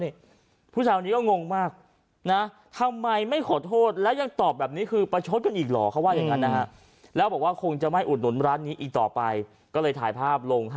นะแล้วอยากฝากเตือนเป็นหรือหนูท้าหอนเป็นถึงร้านต่าง